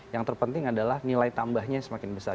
yang terpenting adalah nilai tambahnya semakin besar